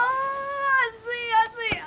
暑い暑い！